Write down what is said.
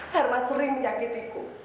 herman sering menyakitiku